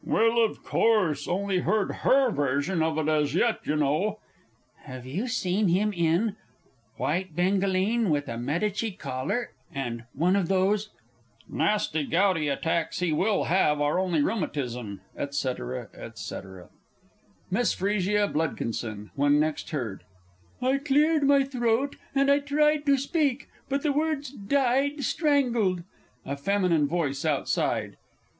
Well, of course, only heard her version of it as yet, y' know.... Have you seen him in ... white bengaline with a Medici collar, and one of those ... nasty gouty attacks he will have are only rheumatism, &c., &c. MISS F. B. (when next heard). I cleared my throat and I tried to speak but the words died strangled A FEMININE VOICE OUTSIDE.